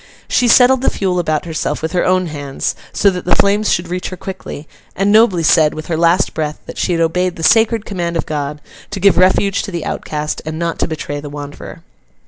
She settled the fuel about herself with her own hands, so that the flames should reach her quickly: and nobly said, with her last breath, that she had obeyed the sacred command of God, to give refuge to the outcast, and not to betray the wanderer.